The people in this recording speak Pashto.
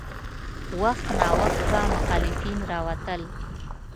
وخت ناوخت به مخالفین راوتل.